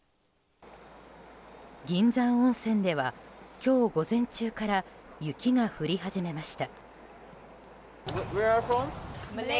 銀山温泉では、今日午前中から雪が降り始めました。